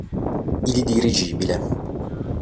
Il dirigibile